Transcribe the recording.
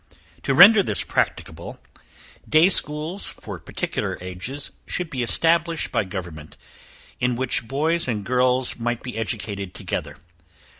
To render this practicable, day schools for particular ages should be established by government, in which boys and girls might be educated together.